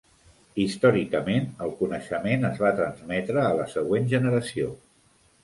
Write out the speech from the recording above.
Històricament, el coneixement es va transmetre a la següent generació.